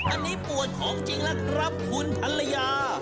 อันนี้ปวดของจริงแล้วครับคุณภรรยา